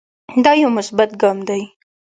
دا يو مثبت ګام دے